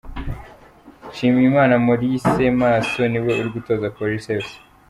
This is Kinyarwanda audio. Nshimiyimana Maurice Maso ni we uri gutoza Police Fc